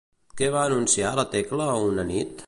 Què va anunciar la Tecla una nit?